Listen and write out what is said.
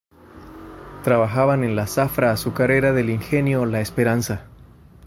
Trabajaban en la zafra azucarera del ingenio La Esperanza.